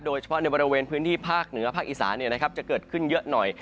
โดยเฉพาะในบริเวณพื้นที่ภาคเหนือภาคอีสานจะเกิดขึ้นเยอะหน่อย